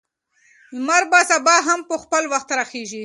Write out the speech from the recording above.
لمر به سبا هم په خپل وخت راخیژي.